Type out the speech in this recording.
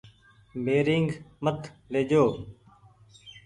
بيرينگ مت ليجو ۔